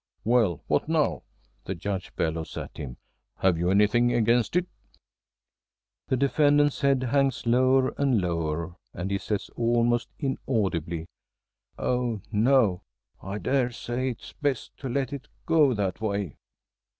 "Well, what now?" the Judge bellows at him. "Have you anything against it?" The defendant's head hangs lower and lower, and he says, almost inaudibly, "Oh, no, I dare say it is best to let it go that way."